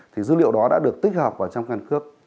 thì dữ liệu đó đã được tích hợp vào trong căn cước